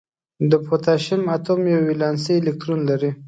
د پوتاشیم اتوم یو ولانسي الکترون لري.